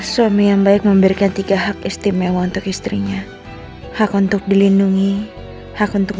suami yang baik memberikan tiga hak istimewa untuk istrinya hak untuk dilindungi hak untuk